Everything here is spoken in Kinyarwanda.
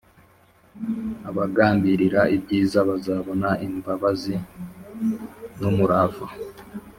abagambirira ibyiza bazabona imbabazi n’umurava